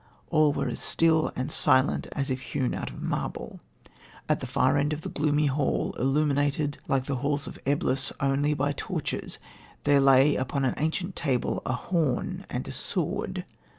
All were as still and silent as if hewn out of marble. At the far end of a gloomy hall, illuminated, like the halls of Eblis, only by torches, there lay, upon an ancient table, a horn and a sword.